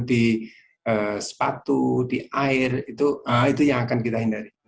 di sepatu di air itu yang akan kita hindari